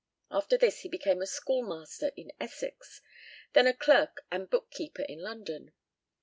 After this he became a schoolmaster in Essex, then a clerk and book keeper in London.